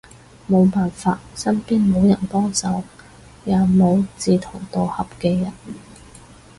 無辦法，身邊無人幫手，也無志同道合嘅人